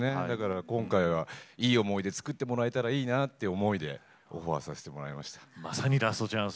だから今回はいい思い出を作ってもらえたらいいなという思いでオファーさせてもらいました。